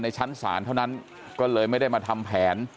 ชั้นศาลเท่านั้นก็เลยไม่ได้มาทำแผน